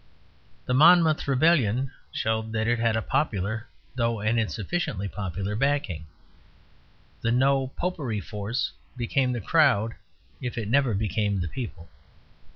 The Monmouth rebellion showed that it had a popular, though an insufficiently popular, backing. The "No Popery" force became the crowd if it never became the people.